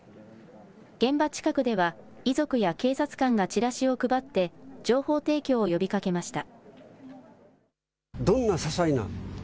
現場近くでは、遺族や警察官がチラシを配って、情報提供を呼びかけました。